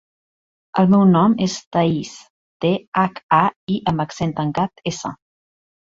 El meu nom és Thaís: te, hac, a, i amb accent tancat, essa.